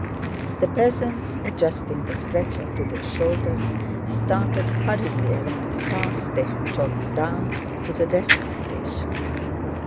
The peasants, adjusting the stretcher to their shoulders, started hurriedly along the path they had trodden down, to the dressing station.